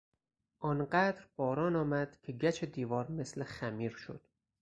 آن قدر باران آمد که گچ دیوار مثل خمیر شد.